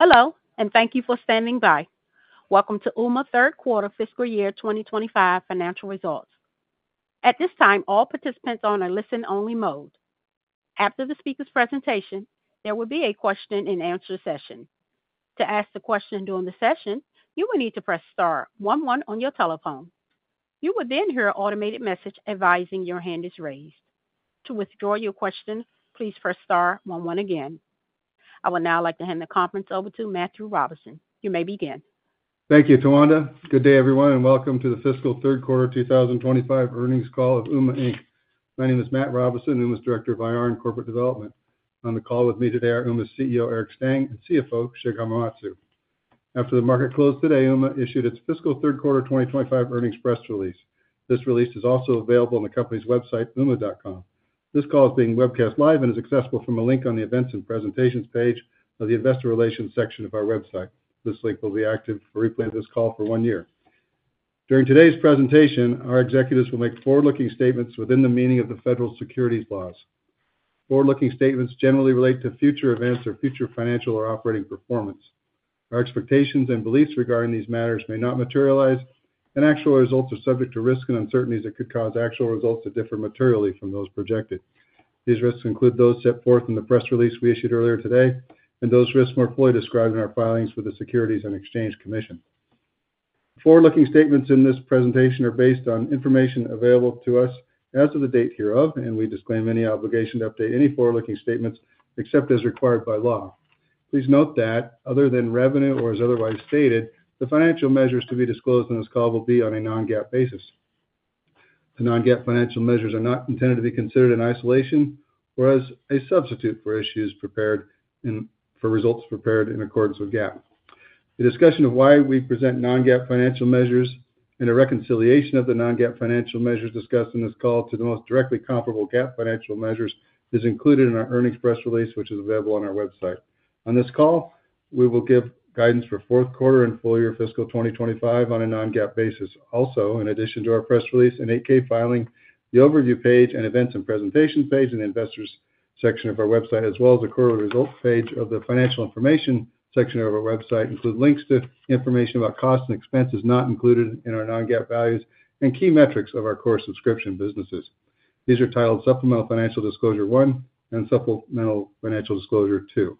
Hello, and thank you for standing by. Welcome to Ooma third quarter fiscal year 2025 financial results. At this time, all participants are on a listen-only mode. After the speaker's presentation, there will be a question-and-answer session. To ask a question during the session, you will need to press *11 on your telephone. You will then hear an automated message advising your hand is raised. To withdraw your question, please press *11 again. I would now like to hand the conference over to Matthew Robison. You may begin. Thank you, Tawanda. Good day, everyone, and welcome to the Fiscal Third Quarter 2025 Earnings Call of Ooma Inc. My name is Matt Robison, Ooma's Director of IR and Corporate Development. On the call with me today are Ooma's CEO, Eric Stang, and CFO, Shigeyuki Hamamatsu. After the market closed today, Ooma issued its Fiscal Third Quarter 2025 earnings press release. This release is also available on the company's website, ooma.com. This call is being webcast live and is accessible from a link on the Events and Presentations page of the Investor Relations section of our website. This link will be active for replay of this call for one year. During today's presentation, our executives will make forward-looking statements within the meaning of the federal securities laws. Forward-looking statements generally relate to future events or future financial or operating performance. Our expectations and beliefs regarding these matters may not materialize, and actual results are subject to risks and uncertainties that could cause actual results to differ materially from those projected. These risks include those set forth in the press release we issued earlier today and those risks more fully described in our filings with the Securities and Exchange Commission. Forward-looking statements in this presentation are based on information available to us as of the date hereof, and we disclaim any obligation to update any forward-looking statements except as required by law. Please note that, other than revenue or as otherwise stated, the financial measures to be disclosed in this call will be on a non-GAAP basis. The non-GAAP financial measures are not intended to be considered in isolation or as a substitute for financial results prepared in accordance with GAAP. The discussion of why we present non-GAAP financial measures and a reconciliation of the non-GAAP financial measures discussed in this call to the most directly comparable GAAP financial measures is included in our earnings press release, which is available on our website. On this call, we will give guidance for fourth quarter and full year fiscal 2025 on a non-GAAP basis. Also, in addition to our press release and 8-K filing, the overview page and events and presentations page in the investors section of our website, as well as the quarterly results page of the financial information section of our website, include links to information about costs and expenses not included in our non-GAAP values and key metrics of our core subscription businesses. These are titled Supplemental Financial Disclosure One and Supplemental Financial Disclosure Two.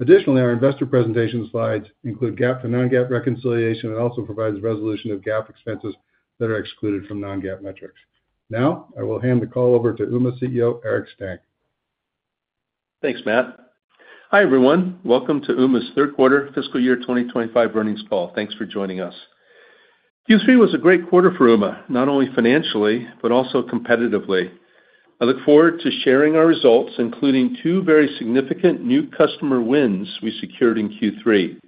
Additionally, our investor presentation slides include GAAP to non-GAAP reconciliation and also provide the resolution of GAAP expenses that are excluded from non-GAAP metrics. Now, I will hand the call over to Ooma CEO, Eric Stang. Thanks, Matt. Hi, everyone. Welcome to Ooma's third quarter fiscal year 2025 earnings call. Thanks for joining us. Q3 was a great quarter for Ooma, not only financially but also competitively. I look forward to sharing our results, including two very significant new customer wins we secured in Q3.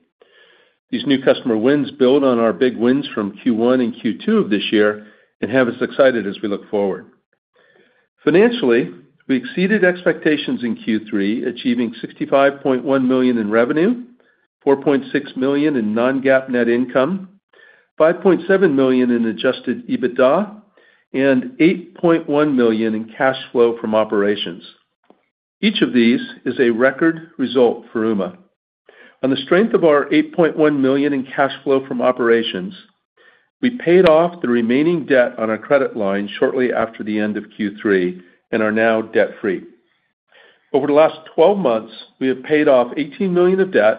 These new customer wins build on our big wins from Q1 and Q2 of this year and have us excited as we look forward. Financially, we exceeded expectations in Q3, achieving $65.1 million in revenue, $4.6 million in non-GAAP net income, $5.7 million in adjusted EBITDA, and $8.1 million in cash flow from operations. Each of these is a record result for Ooma. On the strength of our $8.1 million in cash flow from operations, we paid off the remaining debt on our credit line shortly after the end of Q3 and are now debt-free. Over the last 12 months, we have paid off $18 million of debt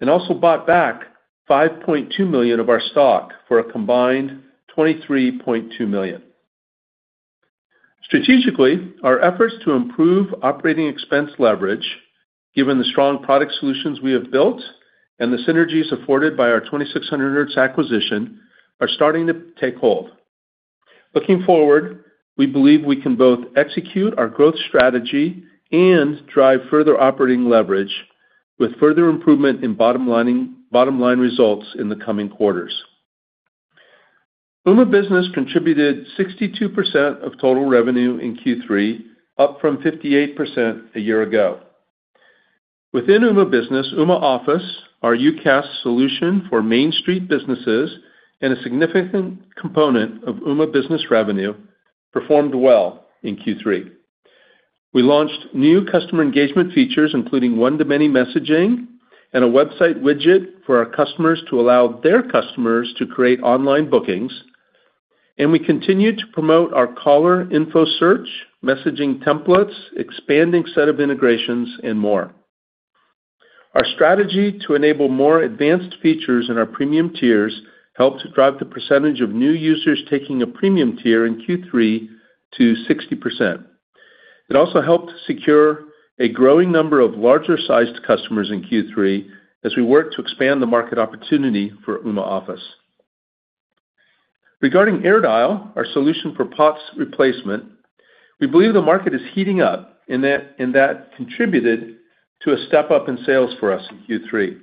and also bought back $5.2 million of our stock for a combined $23.2 million. Strategically, our efforts to improve operating expense leverage, given the strong product solutions we have built and the synergies afforded by our 2600Hz acquisition, are starting to take hold. Looking forward, we believe we can both execute our growth strategy and drive further operating leverage with further improvement in bottom line results in the coming quarters. Ooma Business contributed 62% of total revenue in Q3, up from 58% a year ago. Within Ooma Business, Ooma Office, our UCaaS solution for Main Street businesses and a significant component of Ooma Business revenue, performed well in Q3. We launched new customer engagement features, including one-to-many messaging and a website widget for our customers to allow their customers to create online bookings, and we continued to promote our caller info search, messaging templates, expanding set of integrations, and more. Our strategy to enable more advanced features in our premium tiers helped drive the percentage of new users taking a premium tier in Q3 to 60%. It also helped secure a growing number of larger-sized customers in Q3 as we worked to expand the market opportunity for Ooma Office. Regarding AirDial, our solution for POTS replacement, we believe the market is heating up, and that contributed to a step up in sales for us in Q3.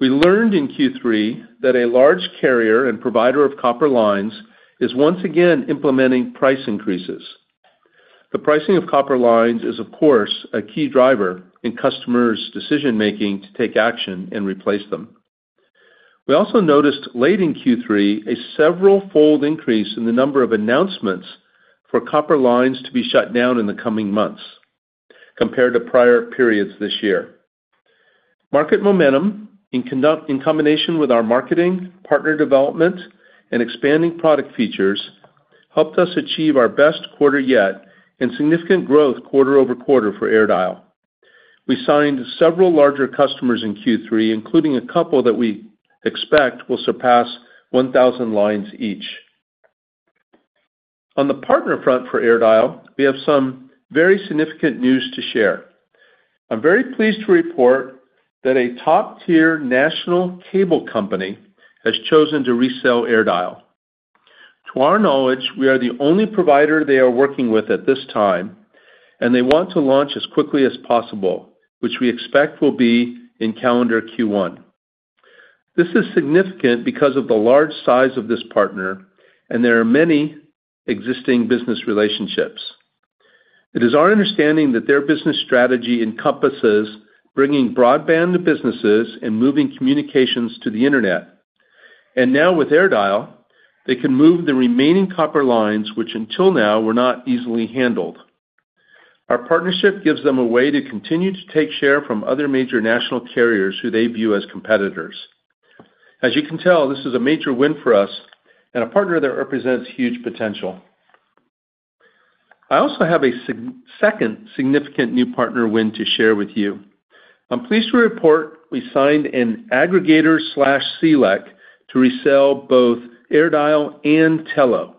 We learned in Q3 that a large carrier and provider of copper lines is once again implementing price increases. The pricing of copper lines is, of course, a key driver in customers' decision-making to take action and replace them. We also noticed late in Q3 a several-fold increase in the number of announcements for copper lines to be shut down in the coming months compared to prior periods this year. Market momentum, in combination with our marketing, partner development, and expanding product features, helped us achieve our best quarter yet and significant growth quarter over quarter for AirDial. We signed several larger customers in Q3, including a couple that we expect will surpass 1,000 lines each. On the partner front for AirDial, we have some very significant news to share. I'm very pleased to report that a top-tier national cable company has chosen to resell AirDial. To our knowledge, we are the only provider they are working with at this time, and they want to launch as quickly as possible, which we expect will be in calendar Q1. This is significant because of the large size of this partner, and there are many existing business relationships. It is our understanding that their business strategy encompasses bringing broadband to businesses and moving communications to the internet, and now with AirDial, they can move the remaining copper lines, which until now were not easily handled. Our partnership gives them a way to continue to take share from other major national carriers who they view as competitors. As you can tell, this is a major win for us, and a partner that represents huge potential. I also have a second significant new partner win to share with you. I'm pleased to report we signed an aggregator/CLEC to resell both AirDial and Telo.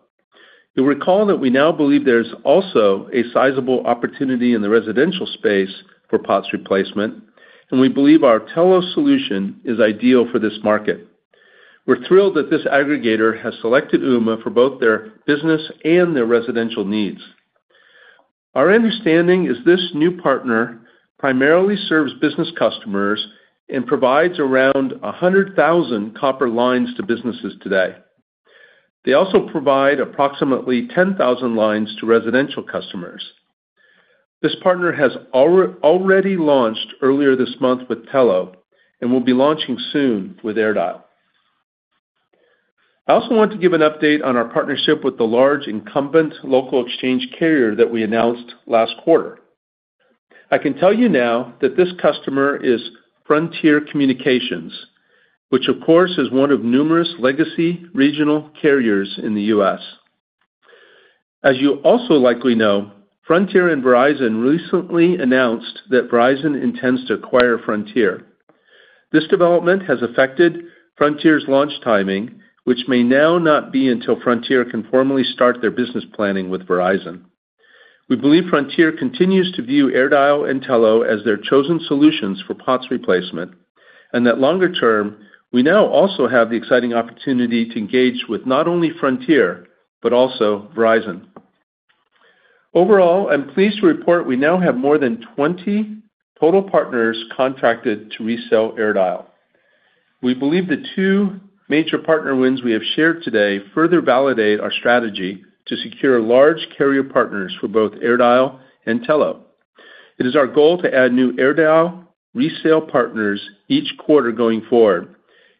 You'll recall that we now believe there is also a sizable opportunity in the residential space for POTS replacement, and we believe our Telo solution is ideal for this market. We're thrilled that this aggregator has selected Ooma for both their business and their residential needs. Our understanding is this new partner primarily serves business customers and provides around 100,000 copper lines to businesses today. They also provide approximately 10,000 lines to residential customers. This partner has already launched earlier this month with Telo and will be launching soon with AirDial. I also want to give an update on our partnership with the large incumbent local exchange carrier that we announced last quarter. I can tell you now that this customer is Frontier Communications, which, of course, is one of numerous legacy regional carriers in the U.S. As you also likely know, Frontier and Verizon recently announced that Verizon intends to acquire Frontier. This development has affected Frontier's launch timing, which may now not be until Frontier can formally start their business planning with Verizon. We believe Frontier continues to view AirDial and Telo as their chosen solutions for POTS replacement, and that longer term, we now also have the exciting opportunity to engage with not only Frontier but also Verizon. Overall, I'm pleased to report we now have more than 20 total partners contracted to resell AirDial. We believe the two major partner wins we have shared today further validate our strategy to secure large carrier partners for both AirDial and Telo. It is our goal to add new AirDial resale partners each quarter going forward,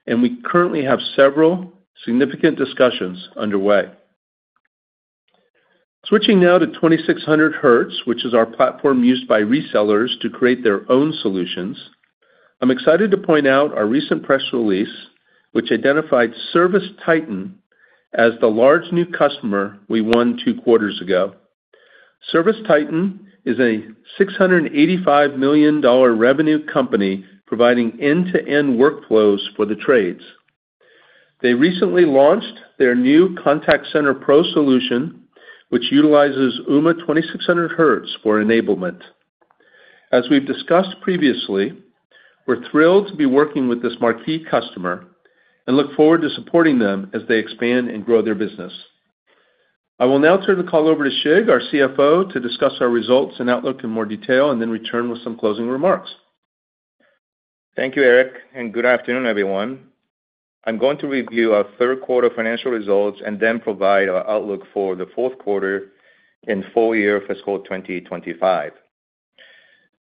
and we currently have several significant discussions underway. Switching now to 2600Hz, which is our platform used by resellers to create their own solutions, I'm excited to point out our recent press release, which identified ServiceTitan as the large new customer we won two quarters ago. ServiceTitan is a $685 million revenue company providing end-to-end workflows for the trades. They recently launched their new Contact Center Pro solution, which utilizes Ooma 2600Hz for enablement. As we've discussed previously, we're thrilled to be working with this marquee customer and look forward to supporting them as they expand and grow their business. I will now turn the call over to Shige, our CFO, to discuss our results and outlook in more detail and then return with some closing remarks. Thank you, Eric, and good afternoon, everyone. I'm going to review our third quarter financial results and then provide our outlook for the fourth quarter and full year fiscal 2025.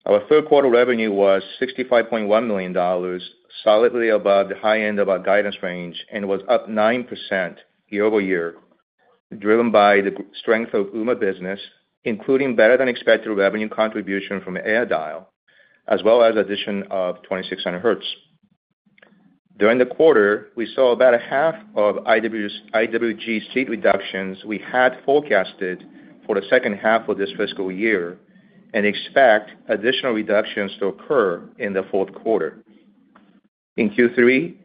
Our third quarter revenue was $65.1 million, solidly above the high end of our guidance range, and was up 9% year over year, driven by the strength of Ooma Business, including better-than-expected revenue contribution from AirDial, as well as the addition of 2600Hz. During the quarter, we saw about half of IWG seat reductions we had forecasted for the second half of this fiscal year and expect additional reductions to occur in the fourth quarter. In Q3,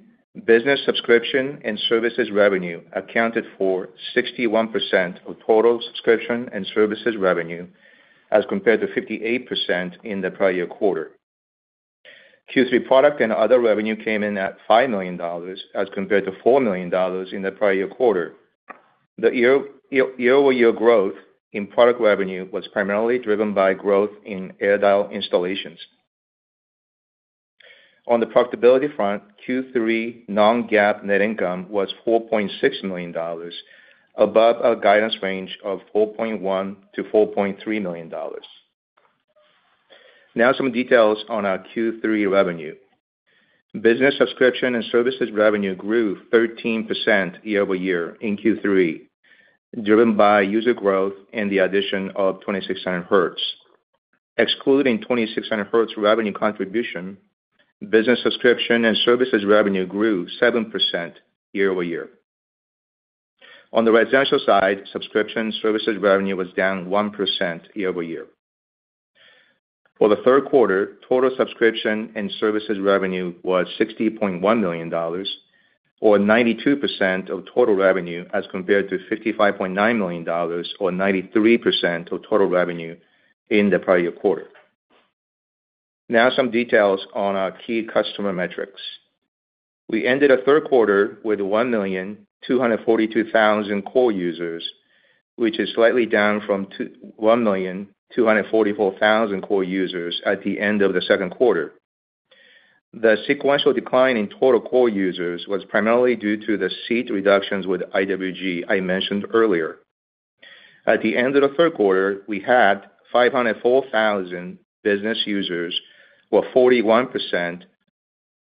business subscription and services revenue accounted for 61% of total subscription and services revenue as compared to 58% in the prior quarter. Q3 product and other revenue came in at $5 million as compared to $4 million in the prior quarter. The year-over-year growth in product revenue was primarily driven by growth in AirDial installations. On the profitability front, Q3 non-GAAP net income was $4.6 million, above our guidance range of $4.1 to $4.3 million. Now, some details on our Q3 revenue. Business subscription and services revenue grew 13% year-over-year in Q3, driven by user growth and the addition of 2600Hz. Excluding 2600Hz revenue contribution, business subscription and services revenue grew 7% year-over-year. On the residential side, subscription and services revenue was down 1% year-over-year. For the third quarter, total subscription and services revenue was $60.1 million, or 92% of total revenue as compared to $55.9 million, or 93% of total revenue in the prior quarter. Now, some details on our key customer metrics. We ended our third quarter with 1,242,000 core users, which is slightly down from 1,244,000 core users at the end of the second quarter. The sequential decline in total core users was primarily due to the seat reductions with IWG I mentioned earlier. At the end of the third quarter, we had 504,000 business users, or 41%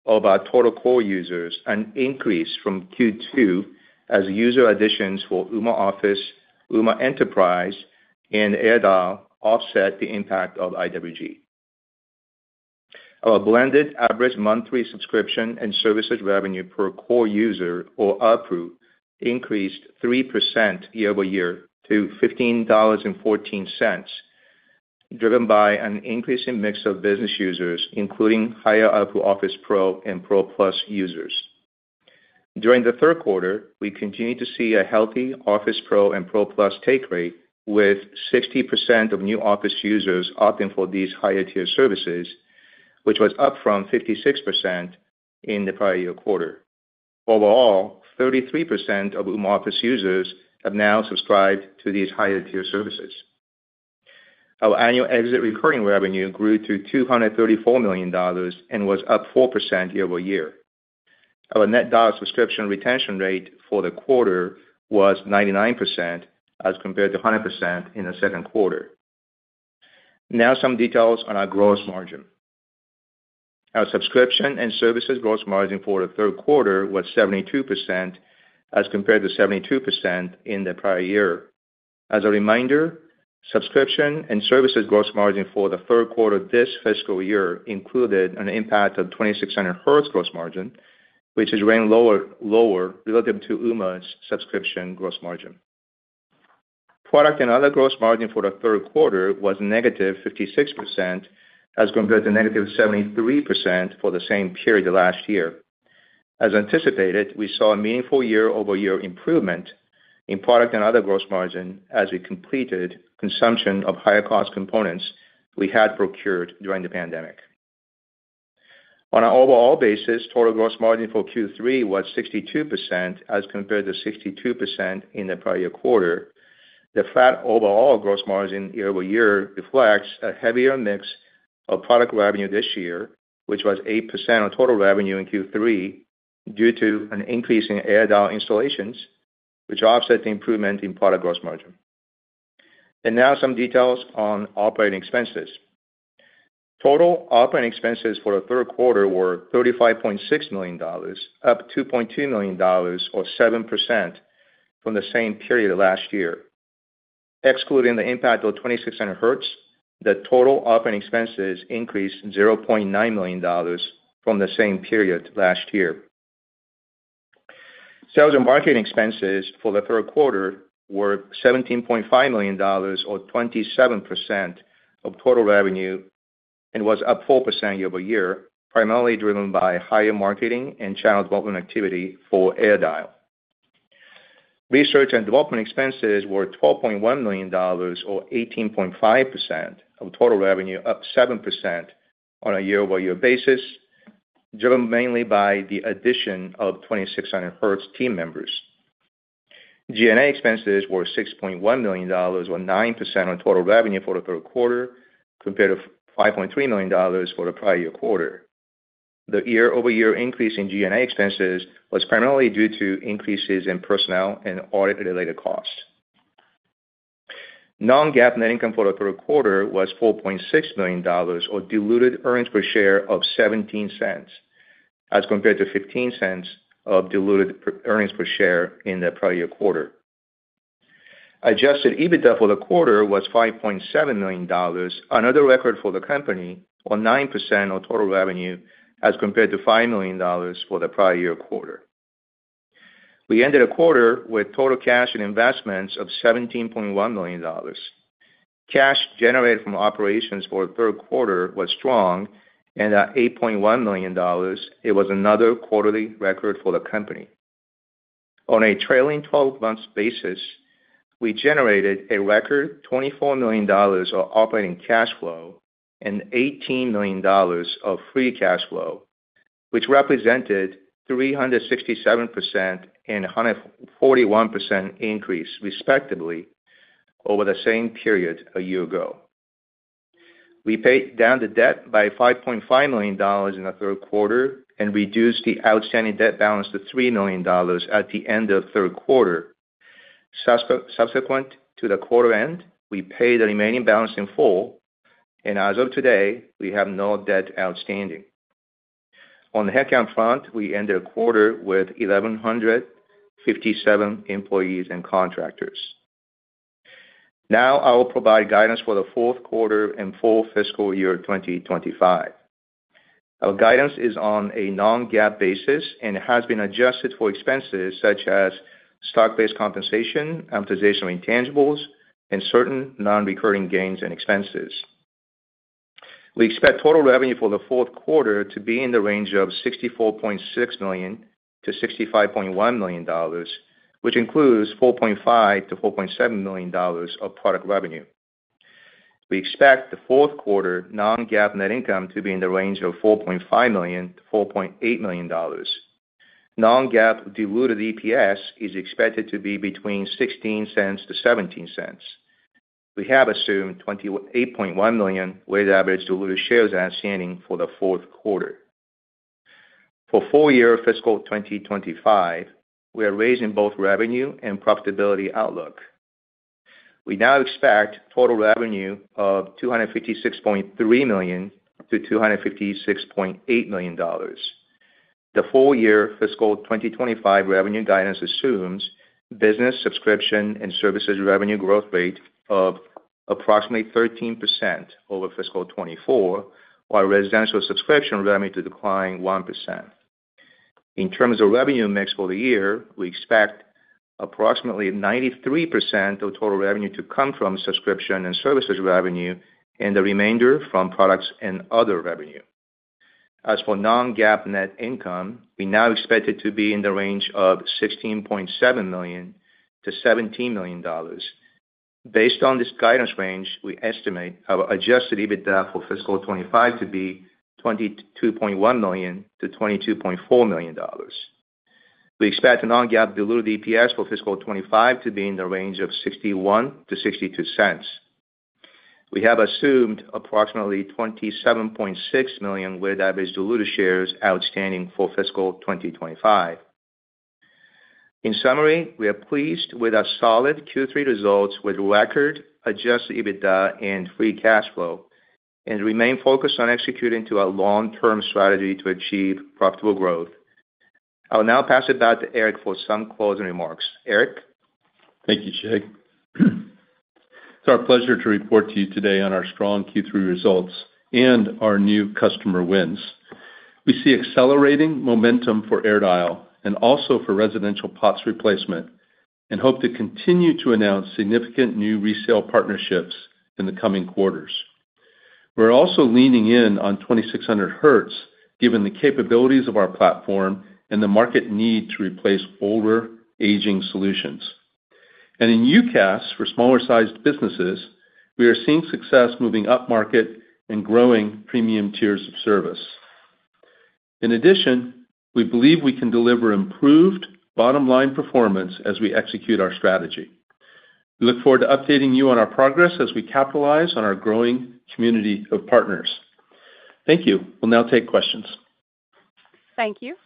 of our total core users, an increase from Q2 as user additions for Ooma Office, Ooma Enterprise, and AirDial offset the impact of IWG. Our blended average monthly subscription and services revenue per core user, or ARPU, increased 3% year-over-year to $15.14, driven by an increasing mix of business users, including higher ARPU Office Pro and Pro Plus users. During the third quarter, we continued to see a healthy Office Pro and Pro Plus take rate, with 60% of new Office users opting for these higher-tier services, which was up from 56% in the prior quarter. Overall, 33% of Ooma Office users have now subscribed to these higher-tier services. Our annual exit recurring revenue grew to $234 million and was up 4% year-over-year. Our net dollar subscription retention rate for the quarter was 99% as compared to 100% in the second quarter. Now, some details on our gross margin. Our subscription and services gross margin for the third quarter was 72% as compared to 72% in the prior year. As a reminder, subscription and services gross margin for the third quarter this fiscal year included an impact of 2600Hz gross margin, which is running lower relative to Ooma's subscription gross margin. Product and other gross margin for the third quarter was negative 56% as compared to negative 73% for the same period last year. As anticipated, we saw a meaningful year-over-year improvement in product and other gross margin as we completed consumption of higher-cost components we had procured during the pandemic. On an overall basis, total gross margin for Q3 was 62% as compared to 62% in the prior quarter. The flat overall gross margin year-over-year reflects a heavier mix of product revenue this year, which was 8% of total revenue in Q3 due to an increase in AirDial installations, which offset the improvement in product gross margin. And now, some details on operating expenses. Total operating expenses for the third quarter were $35.6 million, up $2.2 million, or 7% from the same period last year. Excluding the impact of 2600Hz, the total operating expenses increased $0.9 million from the same period last year. Sales and marketing expenses for the third quarter were $17.5 million, or 27% of total revenue, and was up 4% year-over-year, primarily driven by higher marketing and channel development activity for AirDial. Research and development expenses were $12.1 million, or 18.5% of total revenue, up 7% on a year-over-year basis, driven mainly by the addition of 2600Hz team members. G&A expenses were $6.1 million, or 9% of total revenue for the third quarter, compared to $5.3 million for the prior quarter. The year-over-year increase in G&A expenses was primarily due to increases in personnel and audit-related costs. Non-GAAP net income for the third quarter was $4.6 million, or diluted earnings per share of $0.17, as compared to $0.15 of diluted earnings per share in the prior quarter. Adjusted EBITDA for the quarter was $5.7 million, another record for the company, or 9% of total revenue as compared to $5 million for the prior quarter. We ended the quarter with total cash and investments of $17.1 million. Cash generated from operations for the third quarter was strong, and at $8.1 million, it was another quarterly record for the company. On a trailing 12-month basis, we generated a record $24 million of operating cash flow and $18 million of free cash flow, which represented 367% and 141% increase, respectively, over the same period a year ago. We paid down the debt by $5.5 million in the third quarter and reduced the outstanding debt balance to $3 million at the end of the third quarter. Subsequent to the quarter end, we paid the remaining balance in full, and as of today, we have no debt outstanding. On the headcount front, we ended the quarter with 1,157 employees and contractors. Now, I will provide guidance for the fourth quarter and full fiscal year 2025. Our guidance is on a Non-GAAP basis and has been adjusted for expenses such as stock-based compensation, amortization of intangibles, and certain non-recurring gains and expenses. We expect total revenue for the fourth quarter to be in the range of $64.6-$65.1 million, which includes $4.5-$4.7 million of product revenue. We expect the fourth quarter Non-GAAP net income to be in the range of $4.5-$4.8 million. Non-GAAP diluted EPS is expected to be between $0.16-$0.17. We have assumed 28.1 million average diluted shares outstanding for the fourth quarter. For full year fiscal 2025, we are raising both revenue and profitability outlook. We now expect total revenue of $256.3-$256.8 million. The full year fiscal 2025 revenue guidance assumes business subscription and services revenue growth rate of approximately 13% over fiscal 2024, while residential subscription revenue to decline 1%. In terms of revenue mix for the year, we expect approximately 93% of total revenue to come from subscription and services revenue, and the remainder from products and other revenue. As for non-GAAP net income, we now expect it to be in the range of $16.7 million-$17 million. Based on this guidance range, we estimate our adjusted EBITDA for fiscal 25 to be $22.1 million-$22.4 million. We expect non-GAAP diluted EPS for fiscal 25 to be in the range of $0.61-$0.62. We have assumed approximately $27.6 million with average diluted shares outstanding for fiscal 2025. In summary, we are pleased with our solid Q3 results with record adjusted EBITDA and free cash flow, and remain focused on executing to our long-term strategy to achieve profitable growth. I'll now pass it back to Eric for some closing remarks. Eric? Thank you, Shige. It's our pleasure to report to you today on our strong Q3 results and our new customer wins. We see accelerating momentum for AirDial and also for residential POTS replacement, and hope to continue to announce significant new resale partnerships in the coming quarters. We're also leaning in on 2600Hz, given the capabilities of our platform and the market need to replace older, aging solutions, and in UCaaS for smaller-sized businesses, we are seeing success moving upmarket and growing premium tiers of service. In addition, we believe we can deliver improved bottom-line performance as we execute our strategy. We look forward to updating you on our progress as we capitalize on our growing community of partners. Thank you. We'll now take questions. Thank you.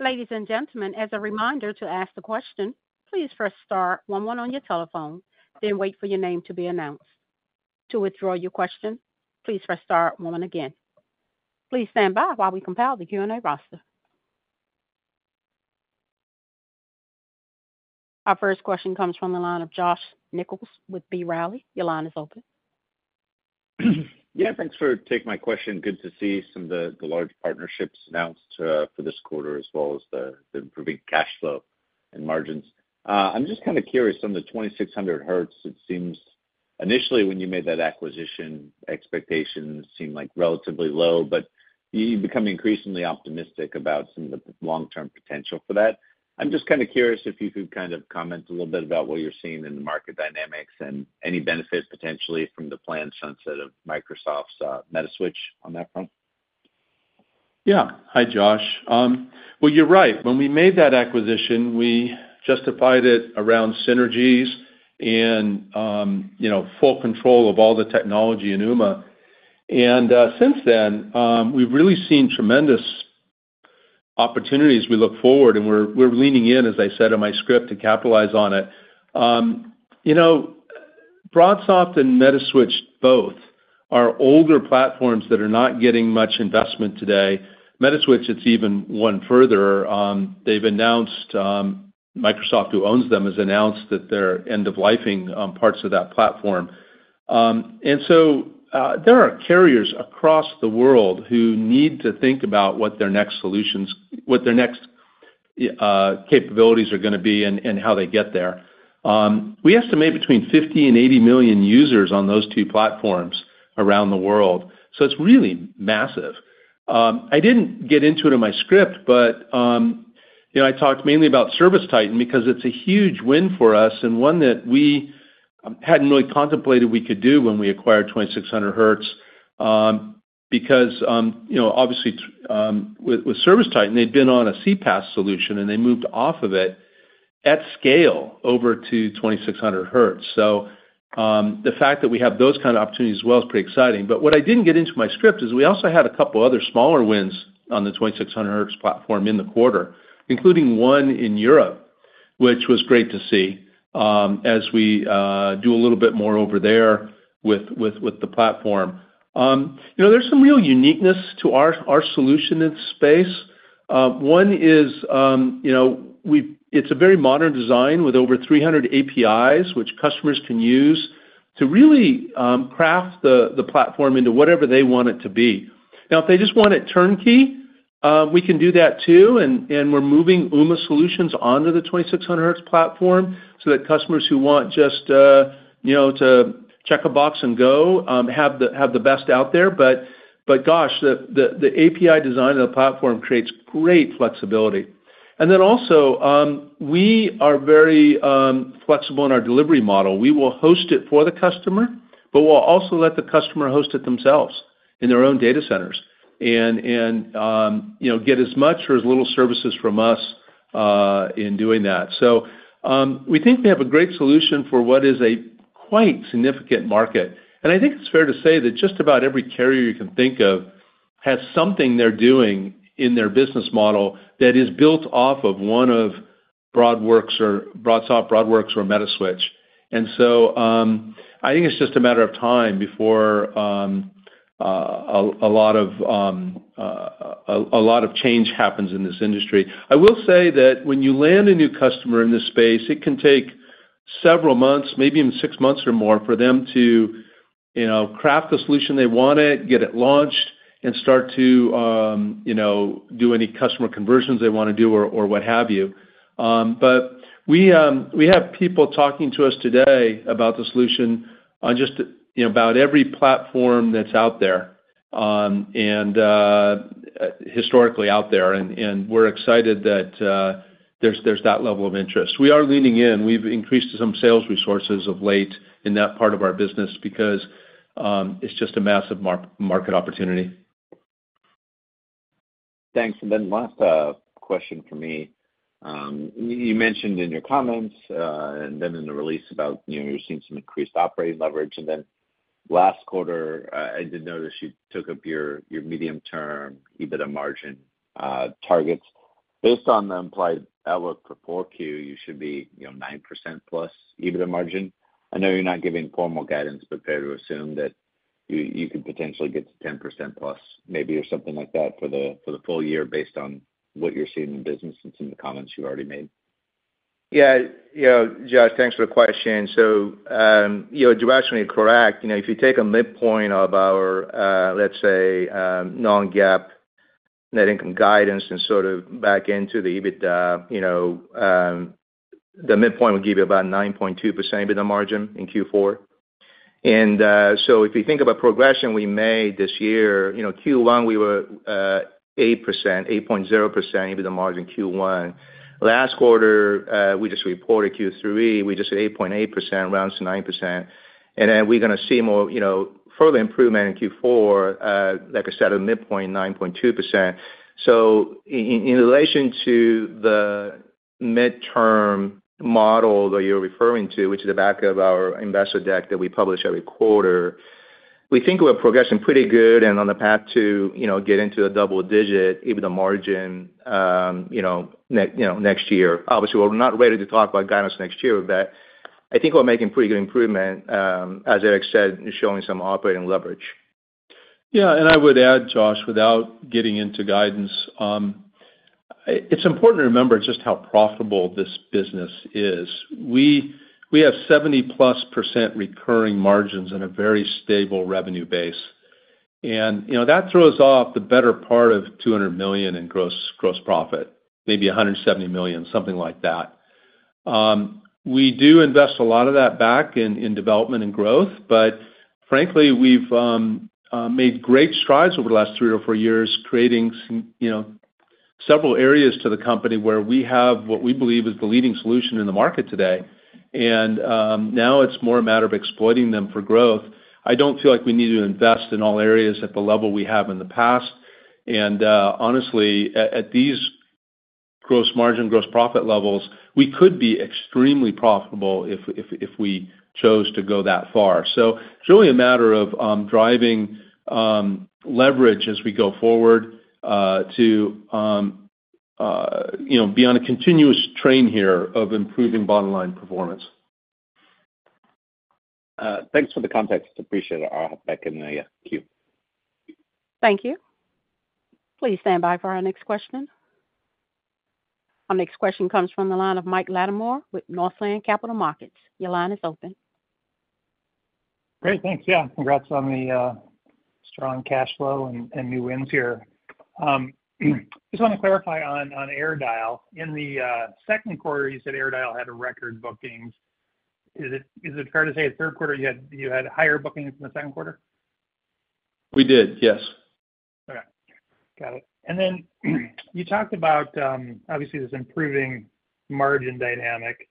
Ladies and gentlemen, as a reminder to ask the question, please press star one-one on your telephone, then wait for your name to be announced. To withdraw your question, please press star one-one again. Please stand by while we compile the Q&A roster. Our first question comes from the line of Josh Nichols with B. Riley. Your line is open. Yeah, thanks for taking my question. Good to see some of the large partnerships announced for this quarter, as well as the improving cash flow and margins. I'm just kind of curious, on the 2600Hz, it seems initially when you made that acquisition, expectations seemed relatively low, but you become increasingly optimistic about some of the long-term potential for that. I'm just kind of curious if you could kind of comment a little bit about what you're seeing in the market dynamics and any benefits potentially from the planned sunset of Microsoft's Metaswitch on that front. Yeah. Hi, Josh. Well, you're right. When we made that acquisition, we justified it around synergies and full control of all the technology in Ooma. And since then, we've really seen tremendous opportunities. We look forward, and we're leaning in, as I said in my script, to capitalize on it. BroadSoft and Metaswitch, both are older platforms that are not getting much investment today. Metaswitch is even one further. They've announced Microsoft who owns them has announced that they're end-of-lifing parts of that platform. And so there are carriers across the world who need to think about what their next solutions, what their next capabilities are going to be, and how they get there. We estimate between 50 and 80 million users on those two platforms around the world, so it's really massive. I didn't get into it in my script, but I talked mainly about ServiceTitan because it's a huge win for us and one that we hadn't really contemplated we could do when we acquired 2600Hz because, obviously, with ServiceTitan, they'd been on a CPaaS solution, and they moved off of it at scale over to 2600Hz. So the fact that we have those kinds of opportunities as well is pretty exciting. But what I didn't get into my script is we also had a couple of other smaller wins on the 2600Hz platform in the quarter, including one in Europe, which was great to see as we do a little bit more over there with the platform. There's some real uniqueness to our solution in this space. One is it's a very modern design with over 300 APIs, which customers can use to really craft the platform into whatever they want it to be. Now, if they just want it turnkey, we can do that too, and we're moving Ooma solutions onto the 2600Hz platform so that customers who want just to check a box and go have the best out there, but gosh, the API design of the platform creates great flexibility and then also, we are very flexible in our delivery model. We will host it for the customer, but we'll also let the customer host it themselves in their own data centers and get as much or as little services from us in doing that. So we think we have a great solution for what is a quite significant market. And I think it's fair to say that just about every carrier you can think of has something they're doing in their business model that is built off of one of BroadSoft BroadWorks or Metaswitch. And so I think it's just a matter of time before a lot of change happens in this industry. I will say that when you land a new customer in this space, it can take several months, maybe even six months or more, for them to craft the solution they wanted, get it launched, and start to do any customer conversions they want to do or what have you. But we have people talking to us today about the solution on just about every platform that's out there and historically out there, and we're excited that there's that level of interest. We are leaning in. We've increased some sales resources of late in that part of our business because it's just a massive market opportunity. Thanks. And then last question for me. You mentioned in your comments and then in the release about you're seeing some increased operating leverage. And then last quarter, I did notice you took up your medium-term EBITDA margin targets. Based on the implied outlook for 4Q, you should be 9% plus EBITDA margin. I know you're not giving formal guidance, but fair to assume that you could potentially get to 10% plus, maybe, or something like that for the full year based on what you're seeing in business and some of the comments you've already made. Yeah. Josh, thanks for the question. So you're absolutely correct. If you take a midpoint of our, let's say, non-GAAP net income guidance and sort of back into the EBITDA, the midpoint would give you about 9.2% EBITDA margin in Q4. And so if you think about progression we made this year, Q1, we were 8%, 8.0% EBITDA margin Q1. Last quarter, we just reported Q3, we just hit 8.8%, rounds to 9%. And then we're going to see more further improvement in Q4, like I said, a midpoint 9.2%. So in relation to the midterm model that you're referring to, which is the back of our investor deck that we publish every quarter, we think we're progressing pretty good and on the path to get into a double-digit EBITDA margin next year. Obviously, we're not ready to talk about guidance next year, but I think we're making pretty good improvement, as Eric said, showing some operating leverage. Yeah, and I would add, Josh, without getting into guidance, it's important to remember just how profitable this business is. We have 70-plus% recurring margins and a very stable revenue base. And that throws off the better part of $200 million in gross profit, maybe $170 million, something like that. We do invest a lot of that back in development and growth, but frankly, we've made great strides over the last three or four years creating several areas to the company where we have what we believe is the leading solution in the market today. And now it's more a matter of exploiting them for growth. I don't feel like we need to invest in all areas at the level we have in the past. And honestly, at these gross margin, gross profit levels, we could be extremely profitable if we chose to go that far. So it's really a matter of driving leverage as we go forward to be on a continuous train here of improving bottom-line performance. Thanks for the context. Appreciate it. I'll have back in a year. Thank you. Thank you. Please stand by for our next question. Our next question comes from the line of Mike Latimore with Northland Capital Markets. Your line is open. Great. Thanks. Yeah. Congrats on the strong cash flow and new wins here. Just want to clarify on AirDial. In the second quarter, you said AirDial had record bookings. Is it fair to say in the third quarter, you had higher bookings in the second quarter? We did, yes. Okay. Got it. And then you talked about, obviously, this improving margin dynamic.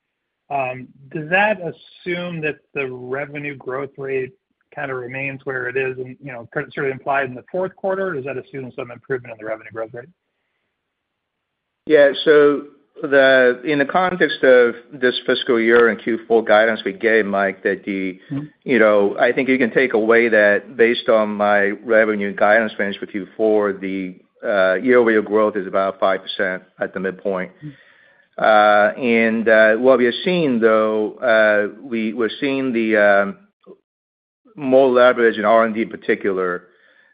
Does that assume that the revenue growth rate kind of remains where it is and sort of implied in the fourth quarter? Does that assume some improvement in the revenue growth rate? Yeah. So in the context of this fiscal year and Q4 guidance we gave, Mike, that I think you can take away that based on my revenue guidance finished for Q4, the year-over-year growth is about 5% at the midpoint. And what we're seeing, though, we're seeing the more leverage in R&D in particular.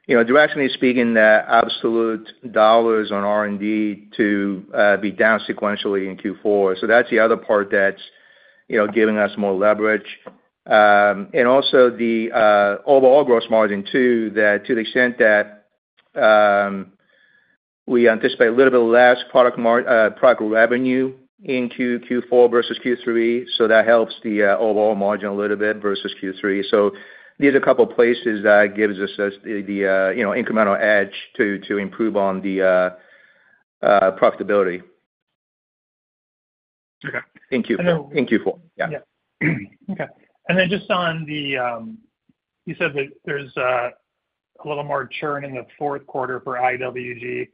Directly speaking, absolute dollars on R&D to be down sequentially in Q4. So that's the other part that's giving us more leverage. And also the overall gross margin too, that to the extent that we anticipate a little bit less product revenue into Q4 versus Q3, so that helps the overall margin a little bit versus Q3. So these are a couple of places that gives us the incremental edge to improve on the profitability. Okay. In Q4. And then. In Q4. Yeah. Yeah. Okay. And then just on the, you said that there's a little more churn in the fourth quarter for IWG.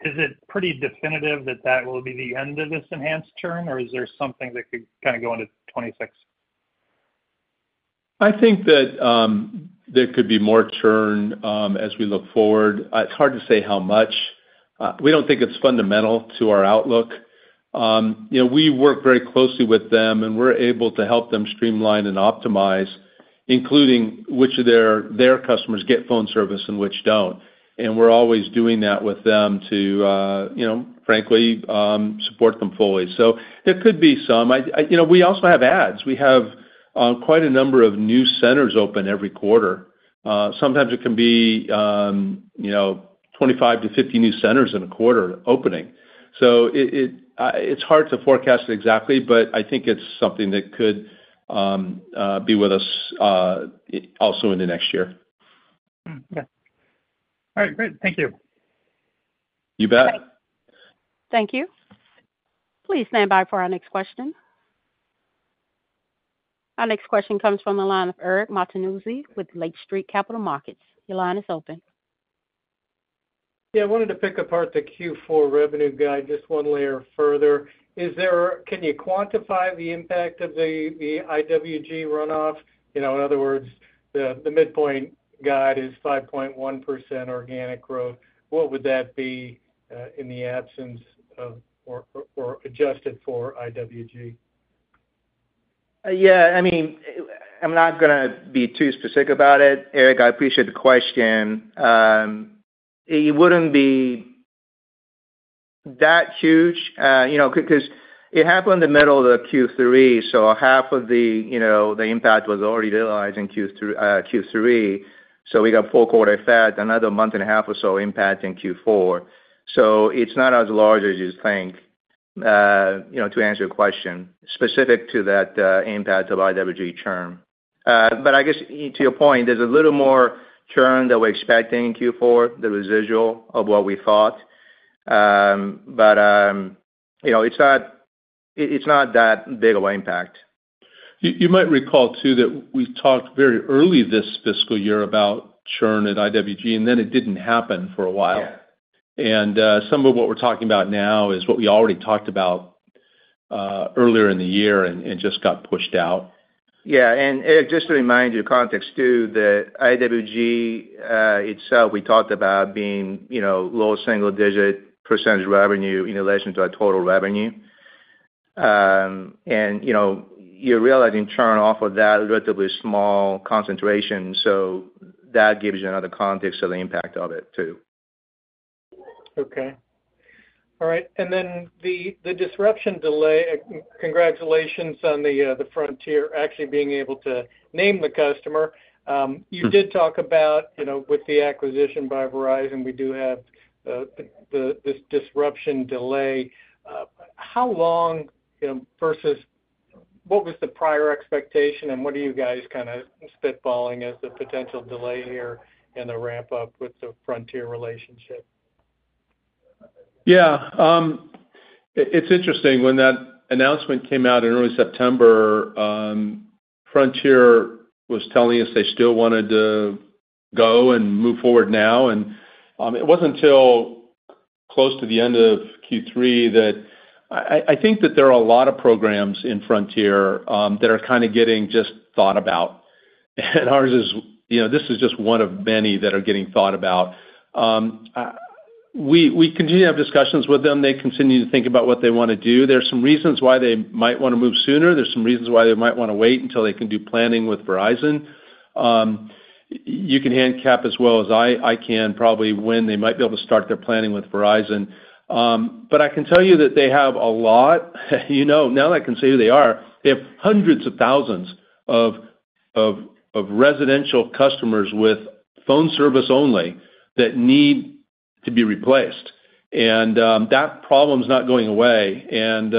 Is it pretty definitive that that will be the end of this enhanced churn, or is there something that could kind of go into 26? I think that there could be more churn as we look forward. It's hard to say how much. We don't think it's fundamental to our outlook. We work very closely with them, and we're able to help them streamline and optimize, including which of their customers get phone service and which don't, and we're always doing that with them to, frankly, support them fully, so there could be some. We also have adds. We have quite a number of new centers open every quarter. Sometimes it can be 25-50 new centers in a quarter opening, so it's hard to forecast exactly, but I think it's something that could be with us also in the next year. Okay. All right. Great. Thank you. You bet. Thank you. Please stand by for our next question. Our next question comes from the line of Eric Martinuzzi with Lake Street Capital Markets. Your line is open. Yeah. I wanted to pick apart the Q4 revenue guide just one layer further. Can you quantify the impact of the IWG runoff? In other words, the midpoint guide is 5.1% organic growth. What would that be in the absence of or adjusted for IWG? Yeah. I mean, I'm not going to be too specific about it. Eric, I appreciate the question. It wouldn't be that huge because it happened in the middle of the Q3, so half of the impact was already realized in Q3. So we got four quarters' worth, another month and a half or so impact in Q4. So it's not as large as you think to answer your question specific to that impact of IWG churn. But I guess to your point, there's a little more churn that we're expecting in Q4, the residual of what we thought. But it's not that big of an impact. You might recall too that we talked very early this fiscal year about churn at IWG, and then it didn't happen for a while, and some of what we're talking about now is what we already talked about earlier in the year and just got pushed out. Yeah, and just to remind you of the context too, the IWG itself, we talked about being low single-digit % revenue in relation to our total revenue, and you're realizing churn off of that relatively small concentration, so that gives you another context of the impact of it too. Okay. All right. And then the disruption delay, congratulations on the Frontier actually being able to name the customer. You did talk about with the acquisition by Verizon, we do have this disruption delay. How long versus what was the prior expectation, and what are you guys kind of spitballing as the potential delay here in the ramp-up with the Frontier relationship? Yeah. It's interesting. When that announcement came out in early September, Frontier was telling us they still wanted to go and move forward now. And it wasn't until close to the end of Q3 that I think that there are a lot of programs in Frontier that are kind of getting just thought about. And ours is this is just one of many that are getting thought about. We continue to have discussions with them. They continue to think about what they want to do. There are some reasons why they might want to move sooner. There are some reasons why they might want to wait until they can do planning with Verizon. You can handicap as well as I can probably when they might be able to start their planning with Verizon. But I can tell you that they have a lot. Now that I can say who they are, they have hundreds of thousands of residential customers with phone service only that need to be replaced. And that problem is not going away. And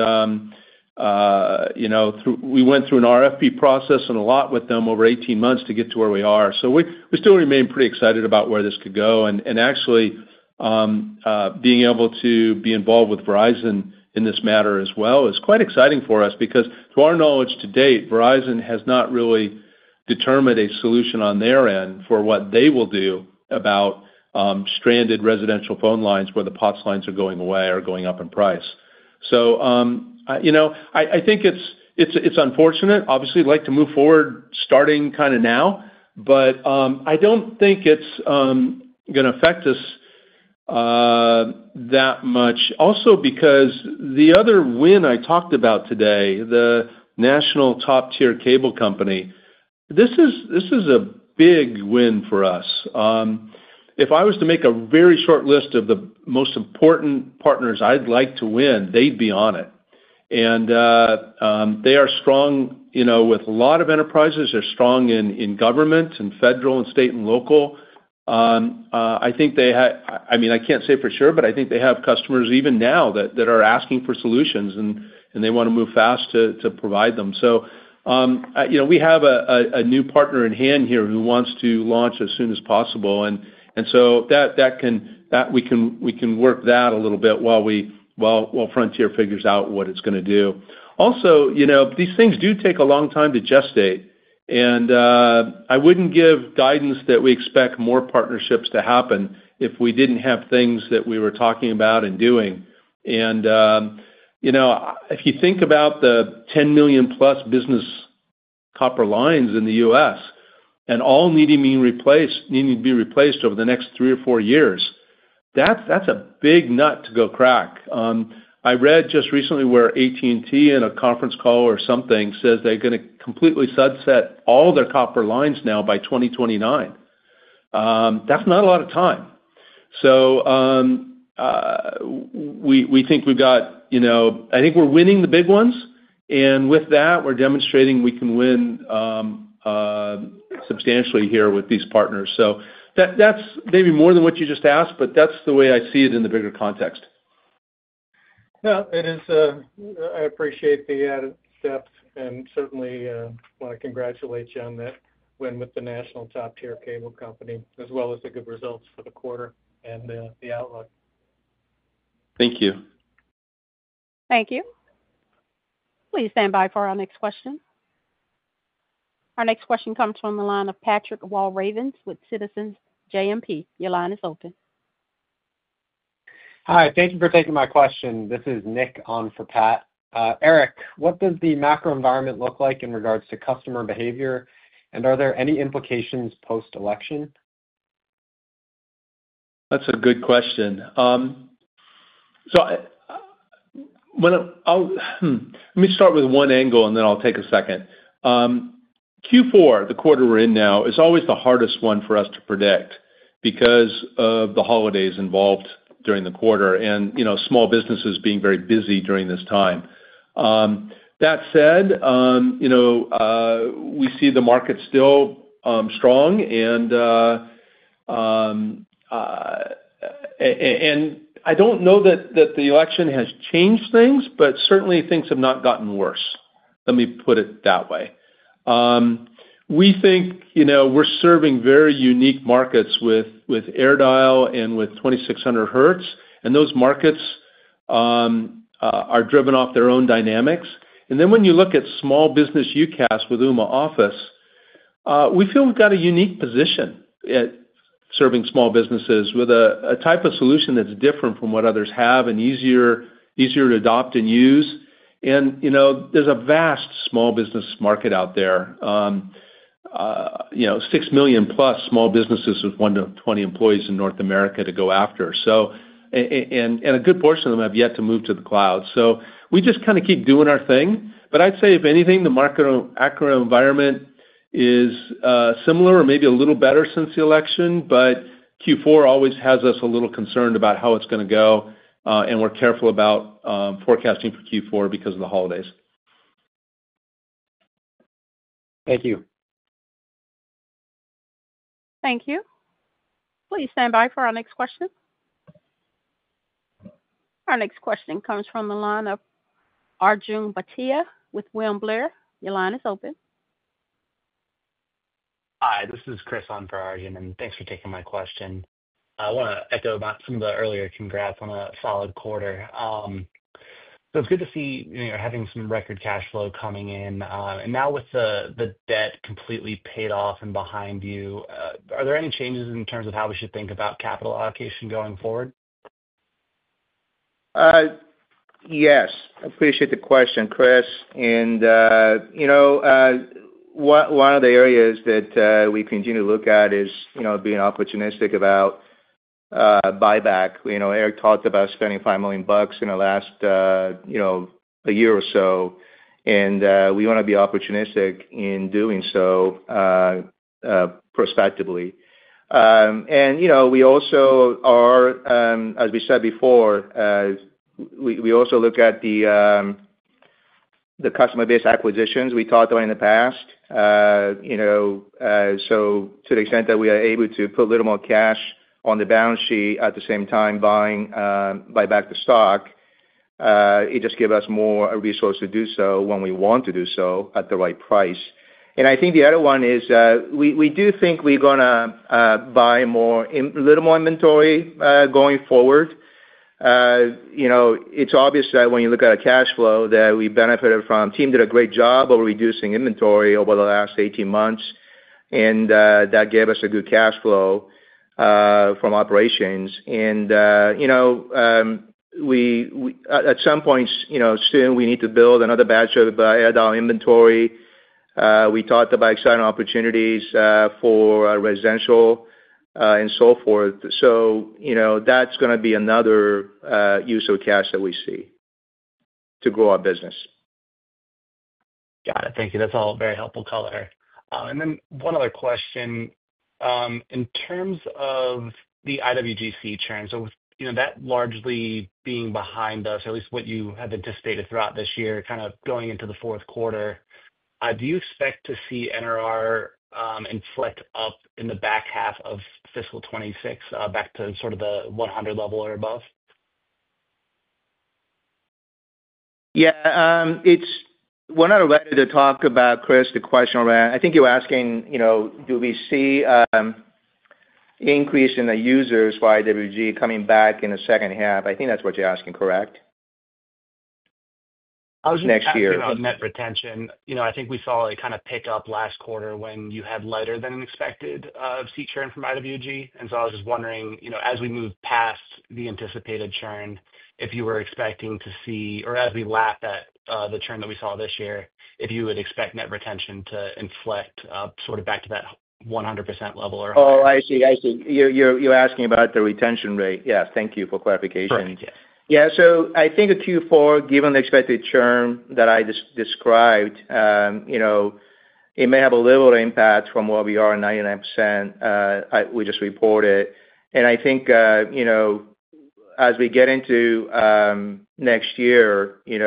we went through an RFP process and a lot with them over 18 months to get to where we are. So we still remain pretty excited about where this could go. And actually, being able to be involved with Verizon in this matter as well is quite exciting for us because to our knowledge to date, Verizon has not really determined a solution on their end for what they will do about stranded residential phone lines where the POTS lines are going away or going up in price. So I think it's unfortunate. Obviously, we'd like to move forward starting kind of now, but I don't think it's going to affect us that much. Also, because the other win I talked about today, the national top-tier cable company, this is a big win for us. If I was to make a very short list of the most important partners I'd like to win, they'd be on it. And they are strong with a lot of enterprises. They're strong in government and federal and state and local. I think they have. I mean, I can't say for sure, but I think they have customers even now that are asking for solutions, and they want to move fast to provide them. So we have a new partner in hand here who wants to launch as soon as possible. And so that we can work that a little bit while Frontier figures out what it's going to do. Also, these things do take a long time to gestate. And I wouldn't give guidance that we expect more partnerships to happen if we didn't have things that we were talking about and doing. And if you think about the 10 million-plus business copper lines in the U.S. and all needing to be replaced over the next three or four years, that's a big nut to go crack. I read just recently where AT&T in a conference call or something says they're going to completely sunset all their copper lines now by 2029. That's not a lot of time. So we think we've got I think we're winning the big ones. And with that, we're demonstrating we can win substantially here with these partners. So that's maybe more than what you just asked, but that's the way I see it in the bigger context. Yeah. I appreciate the added depth, and certainly, I want to congratulate you on that win with the national top-tier cable company as well as the good results for the quarter and the outlook. Thank you. Thank you. Please stand by for our next question. Our next question comes from the line of Patrick Walravens with Citizens JMP. Your line is open. Hi. Thank you for taking my question. This is Nick on for Pat. Eric, what does the macro environment look like in regards to customer behavior, and are there any implications post-election? That's a good question. So let me start with one angle, and then I'll take a second. Q4, the quarter we're in now, is always the hardest one for us to predict because of the holidays involved during the quarter and small businesses being very busy during this time. That said, we see the market still strong, and I don't know that the election has changed things, but certainly, things have not gotten worse. Let me put it that way. We think we're serving very unique markets with AirDial and with 2600Hz, and those markets are driven off their own dynamics, and then when you look at small business UCaaS with Ooma Office, we feel we've got a unique position at serving small businesses with a type of solution that's different from what others have and easier to adopt and use. And there's a vast small business market out there, 6 million-plus small businesses with 1 to 20 employees in North America to go after. And a good portion of them have yet to move to the cloud. So we just kind of keep doing our thing. But I'd say, if anything, the macro environment is similar or maybe a little better since the election. But Q4 always has us a little concerned about how it's going to go. And we're careful about forecasting for Q4 because of the holidays. Thank you. Thank you. Please stand by for our next question. Our next question comes from the line of Arjun Bhatia with William Blair. Your line is open. Hi. This is Chris on for Arjun. And thanks for taking my question. I want to echo some of the earlier congrats on a solid quarter. So it's good to see you're having some record cash flow coming in. And now with the debt completely paid off and behind you, are there any changes in terms of how we should think about capital allocation going forward? Yes. I appreciate the question, Chris. And one of the areas that we continue to look at is being opportunistic about buyback. Eric talked about spending $5 million in the last year or so. And we want to be opportunistic in doing so prospectively. And we also are, as we said before, we also look at the customer-based acquisitions we talked about in the past. So to the extent that we are able to put a little more cash on the balance sheet at the same time buying buyback the stock, it just gives us more resources to do so when we want to do so at the right price. And I think the other one is we do think we're going to buy a little more inventory going forward. It's obvious that when you look at our cash flow, that we benefited from a team that did a great job over reducing inventory over the last 18 months. And that gave us a good cash flow from operations. And at some point, soon we need to build another batch of AirDial inventory. We talked about exciting opportunities for residential and so forth. So that's going to be another use of cash that we see to grow our business. Got it. Thank you. That's all very helpful color. And then one other question. In terms of the IWG churn, so with that largely being behind us, at least what you have anticipated throughout this year, kind of going into the fourth quarter, do you expect to see NRR inflect up in the back half of fiscal 2026 back to sort of the 100 level or above? Yeah. We're not ready to talk about, Chris, the question around I think you're asking, do we see an increase in the users for IWG coming back in the second half? I think that's what you're asking, correct? Next year. I was just wondering about net retention. I think we saw it kind of pick up last quarter when you had lighter than expected seat churn from IWG, and so I was just wondering, as we move past the anticipated churn, if you were expecting to see or as we lap that churn that we saw this year, if you would expect net retention to inflect sort of back to that 100% level or higher? Oh, I see. I see. You're asking about the retention rate. Yes. Thank you for clarification. Thank you. Yeah. So I think Q4, given the expected churn that I just described, it may have a little impact from where we are at 99% we just reported. And I think as we get into next year, we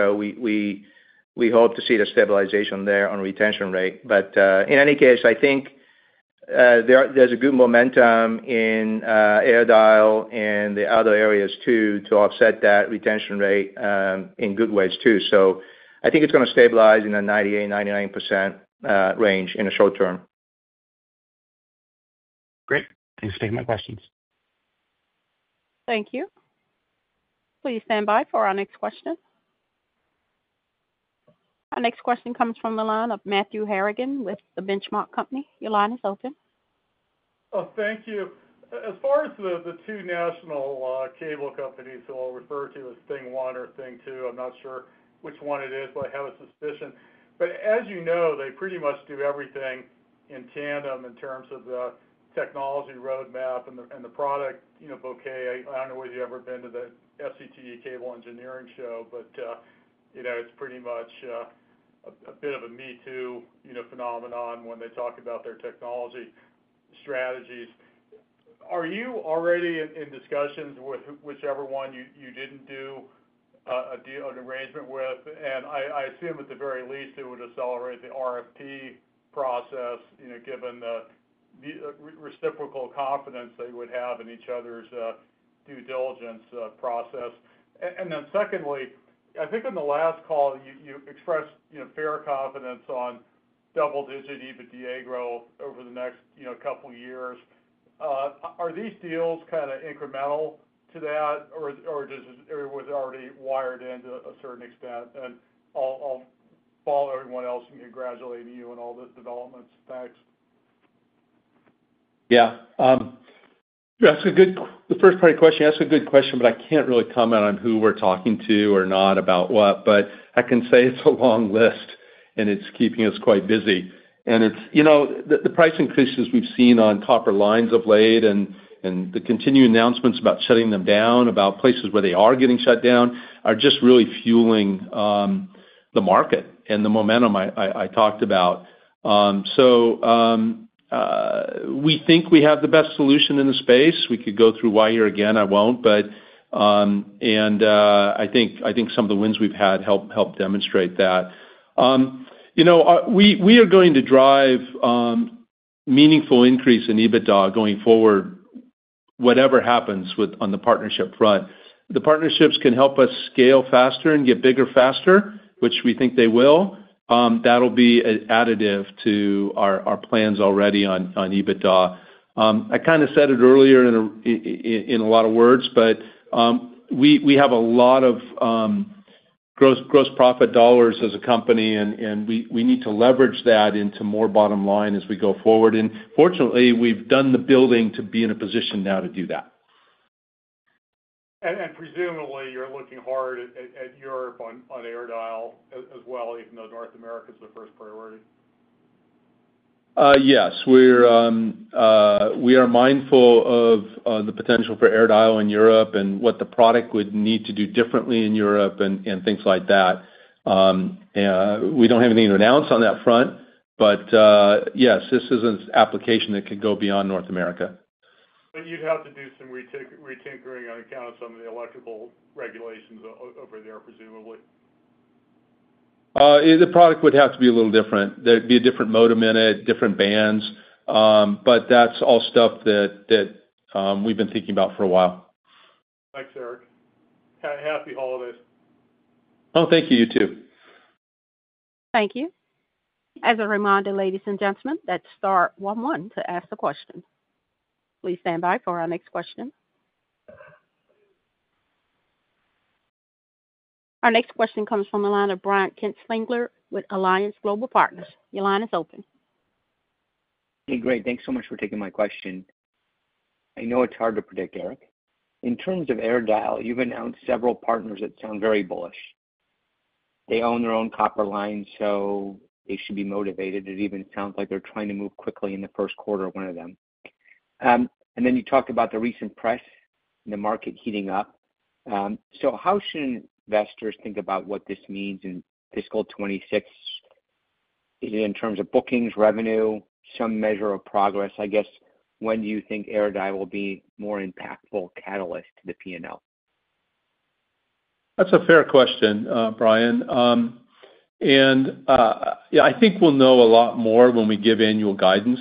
hope to see the stabilization there on retention rate. But in any case, I think there's a good momentum in AirDial and the other areas too to offset that retention rate in good ways too. So I think it's going to stabilize in the 98%-99% range in the short term. Great. Thanks for taking my questions. Thank you. Please stand by for our next question. Our next question comes from the line of Matthew Harrigan with The Benchmark Company. Your line is open. Oh, thank you. As far as the two national cable companies who I'll refer to as Thing One or Thing Two, I'm not sure which one it is, but I have a suspicion. But as you know, they pretty much do everything in tandem in terms of the technology roadmap and the product bouquet. I don't know whether you've ever been to the SCTE Cable Engineering Show, but it's pretty much a bit of a me-too phenomenon when they talk about their technology strategies. Are you already in discussions with whichever one you didn't do an arrangement with? And I assume at the very least it would accelerate the RFP process given the reciprocal confidence they would have in each other's due diligence process. And then secondly, I think in the last call, you expressed fair confidence on double-digit EBITDA over the next couple of years. Are these deals kind of incremental to that, or was it already wired in to a certain extent? And I'll follow everyone else in congratulating you on all the developments. Thanks. Yeah. That's a good question, but I can't really comment on who we're talking to or not about what. But I can say it's a long list, and it's keeping us quite busy. And the price increases we've seen on copper lines of late, and the continued announcements about shutting them down in places where they are getting shut down, are just really fueling the market and the momentum I talked about. So we think we have the best solution in the space. We could go through why here again. I won't. And I think some of the wins we've had help demonstrate that. We are going to drive meaningful increase in EBITDA going forward, whatever happens on the partnership front. The partnerships can help us scale faster and get bigger faster, which we think they will. That'll be an additive to our plans already on EBITDA. I kind of said it earlier in a lot of words, but we have a lot of gross profit dollars as a company, and we need to leverage that into more bottom line as we go forward, and fortunately, we've done the building to be in a position now to do that. Presumably, you're looking hard at Europe on AirDial as well, even though North America is the first priority? Yes. We are mindful of the potential for AirDial in Europe and what the product would need to do differently in Europe and things like that. We don't have anything to announce on that front. But yes, this is an application that could go beyond North America. But you'd have to do some re-tinkering on account of some of the electrical regulations over there, presumably. The product would have to be a little different. There'd be a different modem in it, different bands. But that's all stuff that we've been thinking about for a while. Thanks, Eric. Happy holidays. Oh, thank you. You too. Thank you. As a reminder, ladies and gentlemen, that's star 11 to ask the question. Please stand by for our next question. Our next question comes from the line of Brian Kinstlinger with Alliance Global Partners. Your line is open. Hey, great. Thanks so much for taking my question. I know it's hard to predict, Eric. In terms of AirDial, you've announced several partners that sound very bullish. They own their own copper line, so they should be motivated. It even sounds like they're trying to move quickly in the first quarter, one of them. And then you talked about the recent press and the market heating up. So how should investors think about what this means in fiscal 26 in terms of bookings, revenue, some measure of progress? I guess, when do you think AirDial will be a more impactful catalyst to the P&L? That's a fair question, Brian, and I think we'll know a lot more when we give annual guidance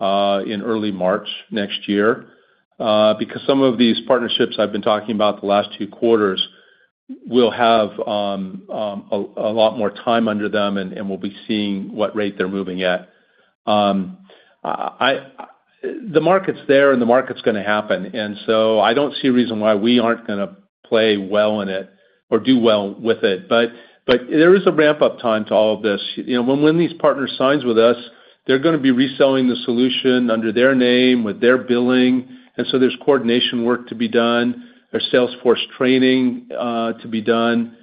in early March next year because some of these partnerships I've been talking about the last two quarters will have a lot more time under them, and we'll be seeing what rate they're moving at. The market's there, and the market's going to happen, and so I don't see a reason why we aren't going to play well in it or do well with it, but there is a ramp-up time to all of this. When one of these partners signs with us, they're going to be reselling the solution under their name with their billing, and so there's coordination work to be done. There's sales force training to be done.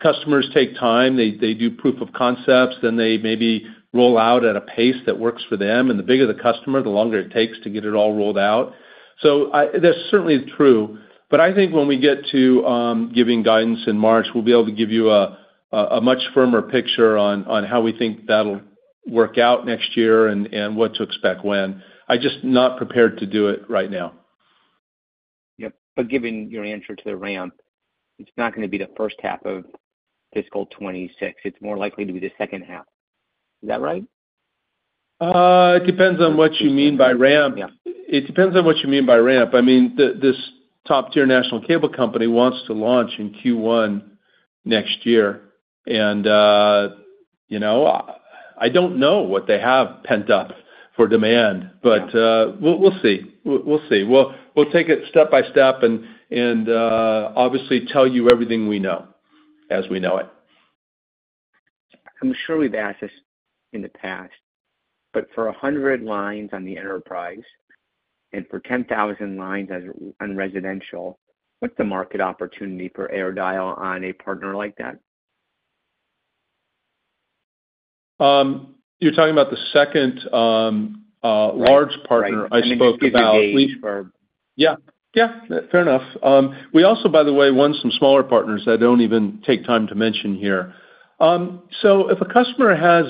Customers take time. They do proof of concepts, then they maybe roll out at a pace that works for them. And the bigger the customer, the longer it takes to get it all rolled out. So that's certainly true. But I think when we get to giving guidance in March, we'll be able to give you a much firmer picture on how we think that'll work out next year and what to expect when. I'm just not prepared to do it right now. Yep. But given your answer to the ramp, it's not going to be the first half of fiscal 2026. It's more likely to be the second half. Is that right? It depends on what you mean by ramp. I mean, this top-tier national cable company wants to launch in Q1 next year. And I don't know what they have pent-up for demand, but we'll see. We'll take it step by step and obviously tell you everything we know as we know it. I'm sure we've asked this in the past, but for 100 lines on the enterprise and for 10,000 lines on residential, what's the market opportunity for AirDial on a partner like that? You're talking about the second large partner I spoke about? I think it's a big leap for. Yeah. Yeah. Fair enough. We also, by the way, won some smaller partners that I don't even take time to mention here. So if a customer has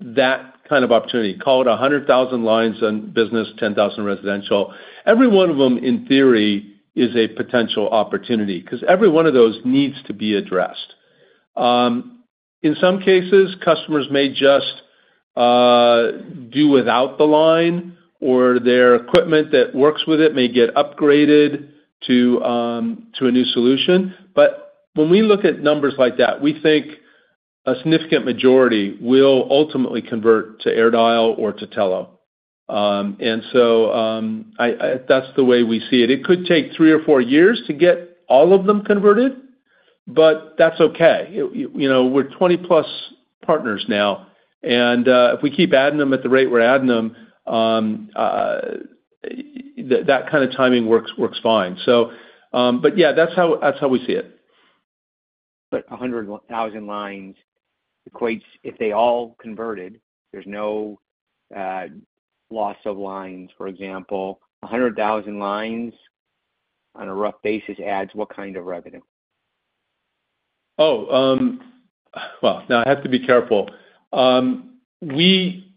that kind of opportunity, call it 100,000 lines on business, 10,000 residential, every one of them, in theory, is a potential opportunity because every one of those needs to be addressed. In some cases, customers may just do without the line, or their equipment that works with it may get upgraded to a new solution. But when we look at numbers like that, we think a significant majority will ultimately convert to AirDial or to Telo. And so that's the way we see it. It could take three or four years to get all of them converted, but that's okay. We're 20-plus partners now. And if we keep adding them at the rate we're adding them, that kind of timing works fine. But yeah, that's how we see it. But 100,000 lines equates if they all converted, there's no loss of lines, for example. 100,000 lines on a rough basis adds what kind of revenue? Oh, well, now I have to be careful. We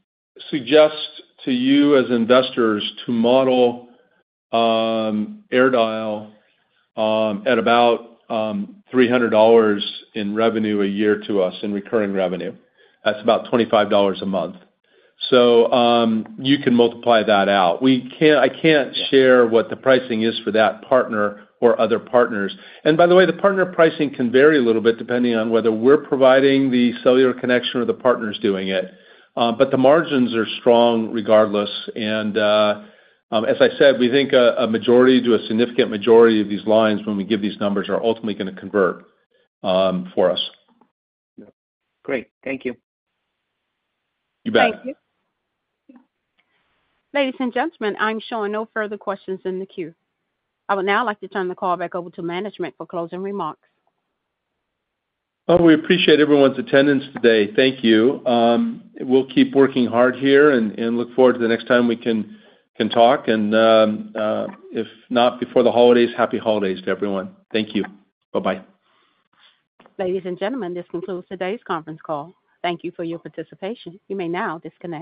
suggest to you as investors to model AirDial at about $300 in revenue a year to us in recurring revenue. That's about $25 a month. So you can multiply that out. I can't share what the pricing is for that partner or other partners. And by the way, the partner pricing can vary a little bit depending on whether we're providing the cellular connection or the partner's doing it. But the margins are strong regardless. And as I said, we think a majority to a significant majority of these lines when we give these numbers are ultimately going to convert for us. Great. Thank you. You bet. Thank you. Ladies and gentlemen, I'm sure no further questions in the queue. Now I'd like to turn the call back over to management for closing remarks. We appreciate everyone's attendance today. Thank you. We'll keep working hard here and look forward to the next time we can talk, and if not before the holidays, happy holidays to everyone. Thank you. Bye-bye. Ladies and gentlemen, this concludes today's conference call. Thank you for your participation. You may now disconnect.